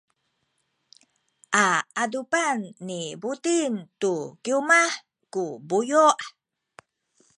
a adupan ni Buting tu kiwmah ku buyu’.